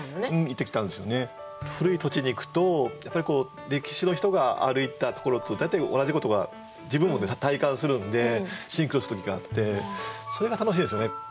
古い土地に行くとやっぱり歴史の人が歩いたところと大体同じことが自分も体感するんでシンクロする時があってそれが楽しいですよね。